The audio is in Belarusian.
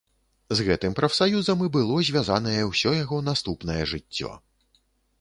З гэтым прафсаюзам і было звязанае ўсё яго наступнае жыццё.